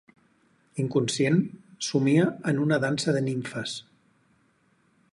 Inconscient, somnia en una dansa de nimfes.